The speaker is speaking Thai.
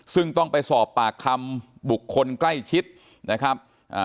ซึ่งต้องไปสอบปากคำบุคคลใกล้ชิดนะครับอ่า